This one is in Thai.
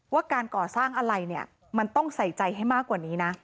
ว่าการก่อสร้างอะไรเนี่ยมันต้องใส่ใจให้มากกว่านี้นะ